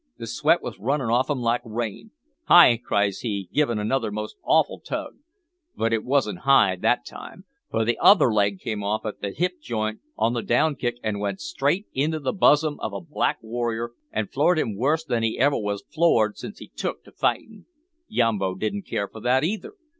The sweat was runnin' off him like rain. `Hi!' cries he, givin' another most awful tug. But it wasn't high that time, for the other leg came off at the hip jint on the down kick, an' went straight into the buzzum of a black warrior an' floored him wuss than he ever wos floored since he took to fightin'. Yambo didn't care for that either.